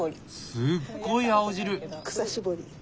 すっごい青汁！